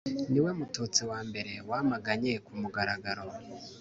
ni we mututsi wa mbere wamaganye ku mugaragaro